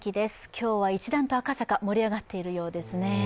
今日は一段と赤坂、盛り上がっているようですね。